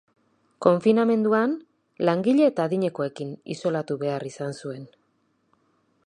Konfinamenduan, langile eta adinekoekin isolatu behar izan zuen.